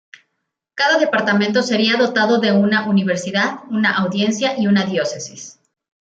Cada departamento sería dotado de una universidad, una audiencia y una diócesis.